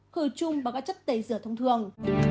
khử chung bằng các chất tẩy rửa thông thường